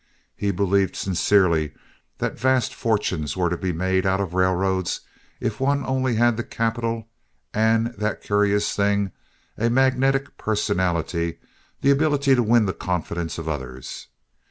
He believed sincerely that vast fortunes were to be made out of railroads if one only had the capital and that curious thing, a magnetic personality—the ability to win the confidence of others.